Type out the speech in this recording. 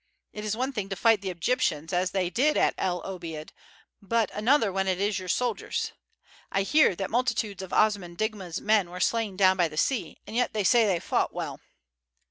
It is one thing to fight the Egyptians as they did at El Obeid, but another when it is your soldiers. I hear that multitudes of Osman Digma's men were slain down by the sea, and yet they say they fought well."